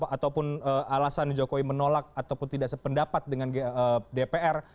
ataupun alasan jokowi menolak ataupun tidak sependapat dengan dpr